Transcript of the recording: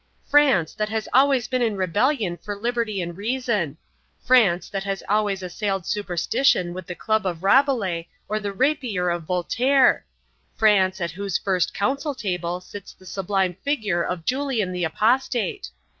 "France, that has always been in rebellion for liberty and reason. France, that has always assailed superstition with the club of Rabelais or the rapier of Voltaire. France, at whose first council table sits the sublime figure of Julian the Apostate.